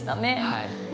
はい。